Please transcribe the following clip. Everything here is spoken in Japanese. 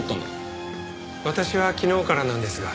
私は昨日からなんですが。